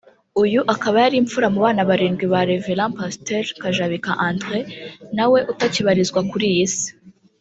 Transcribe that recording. uyu akaba yari imfura mu bana barindwi ba Révérend Pasteur Kajabika André nawe utakibarizwa kuri iyi Si